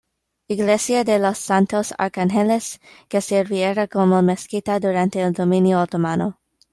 Iglesia de los Santos Arcángeles que sirviera como mezquita durante el dominio otomano.